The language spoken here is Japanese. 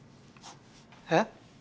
えっ？